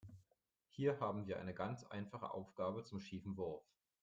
Hier haben wir eine ganz einfache Aufgabe zum schiefen Wurf.